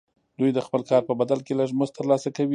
دوی د خپل کار په بدل کې لږ مزد ترلاسه کوي